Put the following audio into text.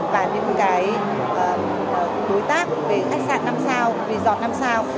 và những cái đối tác về khách sạn năm sao resort năm sao